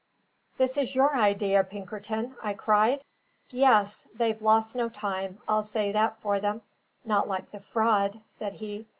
"This is your idea, Pinkerton!" I cried. "Yes. They've lost no time; I'll say that for them not like the Fraud," said he.